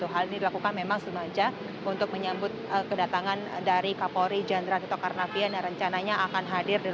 hal ini dilakukan memang sengaja untuk menyambut kedatangan dari kapolri jenderal tito karnavian yang rencananya akan hadir